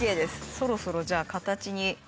そろそろじゃあ形に。